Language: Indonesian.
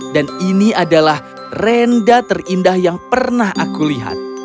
dan ini adalah rendah terindah yang pernah aku lihat